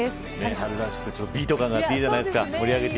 春らしくてビート感があっていいじゃないですか。